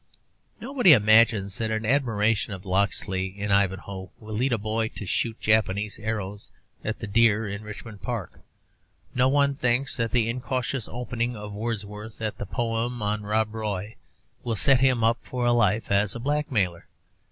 Nobody imagines that an admiration of Locksley in 'Ivanhoe' will lead a boy to shoot Japanese arrows at the deer in Richmond Park; no one thinks that the incautious opening of Wordsworth at the poem on Rob Roy will set him up for life as a blackmailer.